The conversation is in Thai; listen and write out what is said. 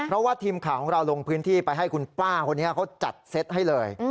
เพราะว่าทีมข่าวของเราลงพื้นที่ไปให้คุณป้าคนนี้เขาจัดเซตให้เลย